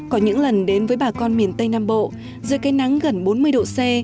có những lần đến với bà con miền tây nam bộ dưới cây nắng gần bốn mươi độ c